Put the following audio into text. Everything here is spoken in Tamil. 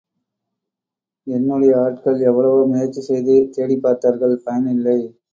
என்னுடைய ஆட்கள் எவ்வளவோ முயற்சிசெய்து தேடிப்பார்த்தார்கள் பயனில்லை.